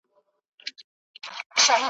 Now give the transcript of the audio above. طبابت یې ماته نه وو را ښودلی ,